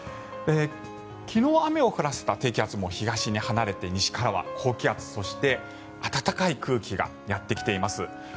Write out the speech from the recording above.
昨日雨を降らせた低気圧も東に離れて西からは高気圧、そして暖かい空気がやってきています。